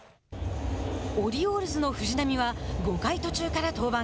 オリオールズの藤浪は５回途中から登板。